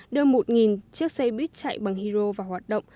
đưa một chiếc xe buýt chạy bằng hydro vào hoạt động